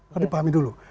dulu dipahami dulu